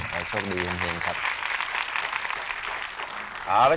ขอบคุณครับ